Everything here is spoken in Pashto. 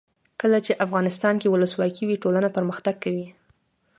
کله چې افغانستان کې ولسواکي وي ټولنه پرمختګ کوي.